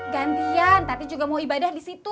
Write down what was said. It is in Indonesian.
gantian tadi juga mau ibadah disitu